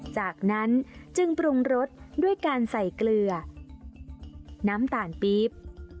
จากนั้นจึงปรุงรสด้วยการใส่เกลือน้ำตาลปี๊บ